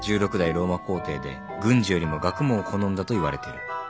１６代ローマ皇帝で軍事よりも学問を好んだといわれてる。